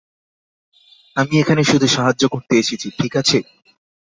আমি এখানে শুধু সাহায্য করতে এসেছি, ঠিক আছে?